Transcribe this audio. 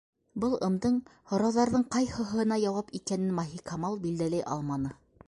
Был ымдың һорауҙарҙың ҡайһыһына яуап икәнен Маһикамал билдәләй алманы.